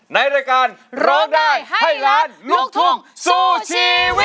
ในรายการร้องได้ให้ล้านลูกถุงซูชิ